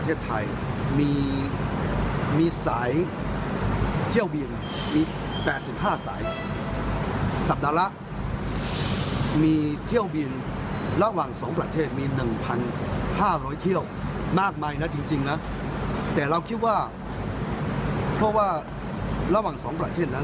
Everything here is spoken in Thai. แต่เราคิดว่าเพราะว่าระหว่างสองประเทศนั้น